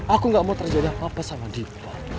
aku gak mau terjadi apa apa sama dita pak